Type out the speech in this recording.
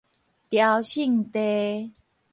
朝聖地